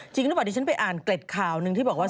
จริงหรือเปล่าดิฉันไปอ่านเกล็ดข่าวหนึ่งที่บอกว่า